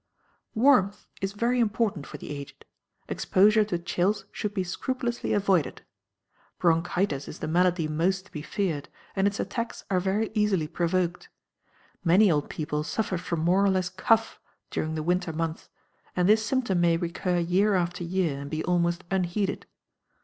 Warmth is very important for the aged; exposure to chills should be scrupulously avoided. Bronchitis is the malady most to be feared, and its attacks are very easily provoked. Many old people suffer from more or less cough during the winter months, and this symptom may recur year after year, and be almost unheeded.